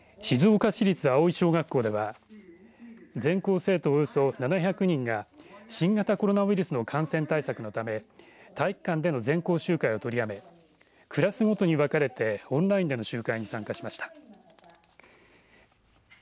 静岡市立葵小学校では全校生徒およそ７００人が新型コロナウイルスの感染対策のため体育館での全校集会を取りやめクラスごとに分かれてオンラインでの集会に参加しました。